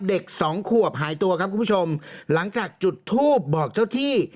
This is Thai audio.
เด็กสองขวบหายตัวครับคุณผู้ชมหลังจากจุดทูบบอกเจ้าที่